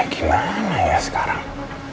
gimana ya sekarang